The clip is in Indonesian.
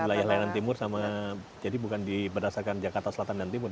di wilayah layanan timur jadi bukan berdasarkan jakarta selatan dan timur